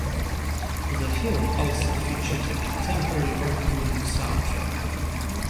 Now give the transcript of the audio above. The film also featured a contemporary rock music soundtrack.